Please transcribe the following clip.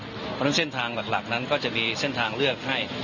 เพราะฉะนั้นเส้นทางหลักนั้นก็จะมีเส้นทางเลือกให้